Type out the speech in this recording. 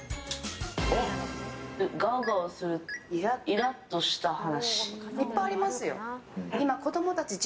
ガオガオするイラッとした話。